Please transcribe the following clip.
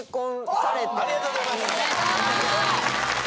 ありがとうございます。